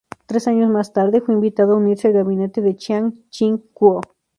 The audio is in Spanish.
Tres años más tarde, fue invitado a unirse al gabinete de Chiang Ching-kuo.